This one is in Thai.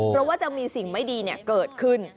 เพราะว่าจะมีสิ่งไม่ดีเกิดขึ้น